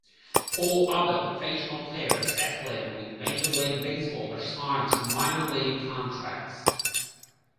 All other professional players affiliated with Major League Baseball are signed to minor-league contracts.